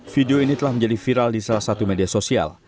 video ini telah menjadi viral di salah satu media sosial